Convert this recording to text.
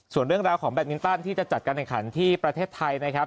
ส่วนเรื่องราวของแบตมินตันที่จะจัดการแข่งขันที่ประเทศไทยนะครับ